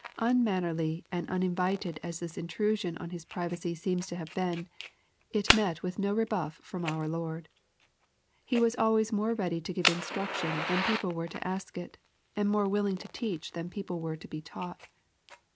Unmannerly and uninvited as this intrusion on his privacy seems to have been, it met with no rebuff from our Lord. He was always more ready to give instruction than people were to ask it, and more willing to teach than people were to be taught.